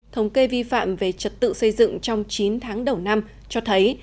thống kê vi phạm về trật tự xây dựng trong chín tháng đầu năm cho thấy